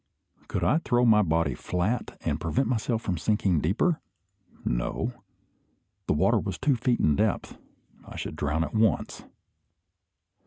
Could I throw my body flat, and prevent myself from sinking deeper? No. The water was two feet in depth. I should drown at once.